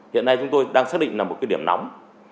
hiện nay chúng tôi đang xác định là một cái điểm nóng